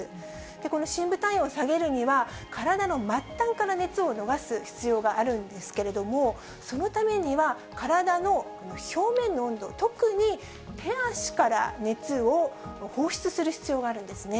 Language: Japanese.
この深部体温を下げるには、体の末端から熱を逃す必要があるんですけれども、そのためには体の表面の温度、特に手足から熱を放出する必要があるんですね。